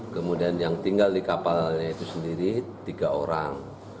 kemudian yang tinggal di kapalnya itu sendiri tiga orang